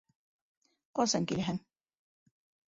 Ҡасан киләһең?